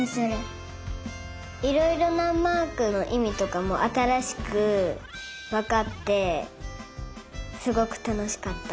いろいろなマークのいみとかもあたらしくわかってすごくたのしかった。